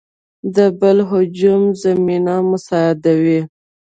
د بل هجوم زمینه مساعد وي.